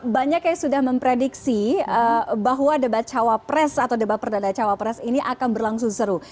banyak yang sudah memprediksi bahwa debat cawa pres atau debat perdana cawa pres ini akan berlangsung seru